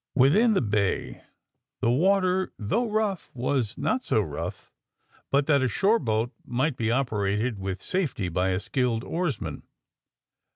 Within the bay the water, though rongh, was not so rough but that a shore boat might be operated with safety by a skilled oarsman.